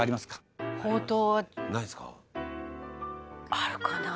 「あるかなあ？」